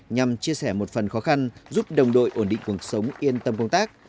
nhằm chia sẻ một phần khó khăn giúp đồng đội ổn định cuộc sống yên tâm công tác